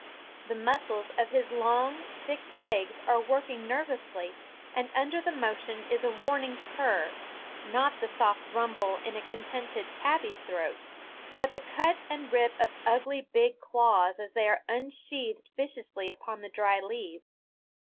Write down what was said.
The muscles of his long thick legs are working nervously, and under the motion is a warning purr, not the soft rumble in a contented tabby's throat, but the cut and rip of ugly big claws as they are unsheathed viciously upon the dry leaves.